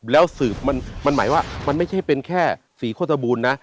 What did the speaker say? แล้วสืบมันหมายว่ามันไม่ใช่เป็นแค่สีโฆษบูรณ์นะ